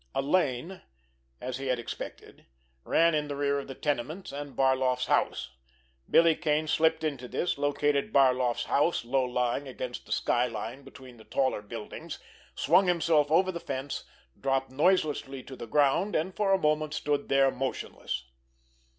A lane, as he had expected, ran in the rear of the tenements and Barloff's house. Billy Kane slipped into this, located Barloff's house, low lying against the sky line between the taller buildings, swung himself over the fence, dropped noiselessly to the ground, and for a moment stood there motionless.